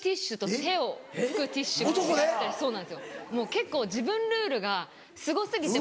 結構自分ルールがすご過ぎて。